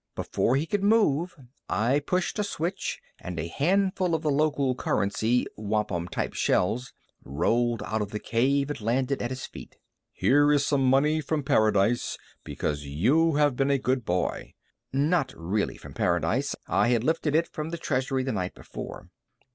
Before he could move, I pushed a switch and a handful of the local currency, wampum type shells, rolled out of the cave and landed at his feet. "Here is some money from paradise, because you have been a good boy." Not really from paradise I had lifted it from the treasury the night before.